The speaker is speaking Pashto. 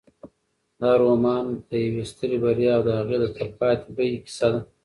دا رومان د یوې سترې بریا او د هغې د تلپاتې بیې کیسه ده.